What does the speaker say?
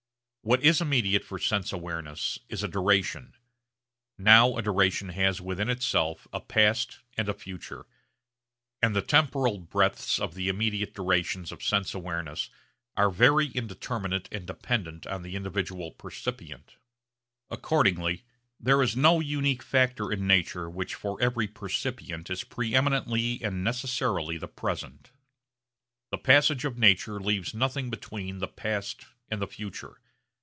What is immediate for sense awareness is a duration. Now a duration has within itself a past and a future; and the temporal breadths of the immediate durations of sense awareness are very indeterminate and dependent on the individual percipient. Accordingly there is no unique factor in nature which for every percipient is pre eminently and necessarily the present. The passage of nature leaves nothing between the past and the future.